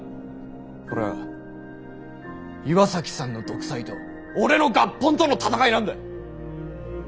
これは岩崎さんの独裁と俺の合本との戦いなんだ。